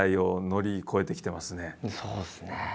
そうですね。